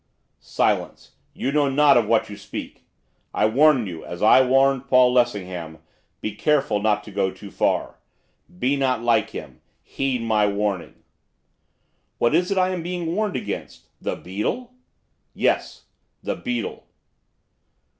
'Silence! You know not of what you speak! I warn you, as I warned Paul Lessingham, be careful not to go too far. Be not like him, heed my warning.' 'What is it I am being warned against, the beetle?' 'Yes, the beetle!